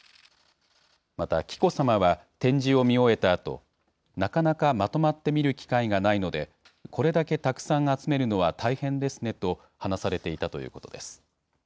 また紀子さまは、展示を見終えたあと、なかなかまとまって見る機会がないので、これだけたくさん集めるのは大変ですねと話されていたということです。